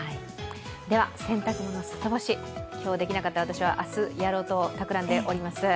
では、洗濯物外干し今日できなかった私は明日やろうとたくらんでおります。